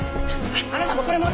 あなたもこれ持って。